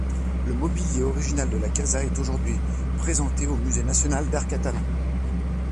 Le mobilier original de la Casa est aujourd’hui présenté au Musée national d’art catalan.